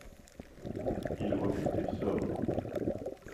Il remonte et sort.